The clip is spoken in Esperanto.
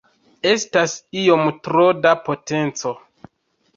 Estas iom tro da potenco.